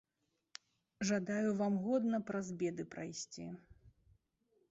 Жадаю вам годна праз беды прайсці.